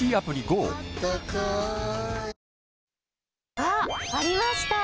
あっ、ありました。